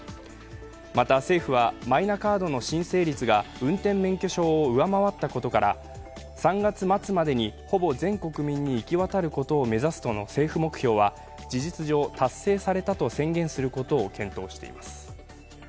また政府はマイナカードの申請率が運転免許証を上回ったことから、３月末までにほぼ全国民に行き渡ることを目指すとの政府目標は事実上達成されたと宣言することを検討しています。